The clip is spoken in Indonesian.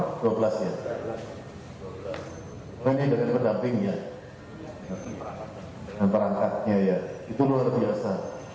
sebenarnya dengan pendampingnya dan perangkatnya ya itu luar biasa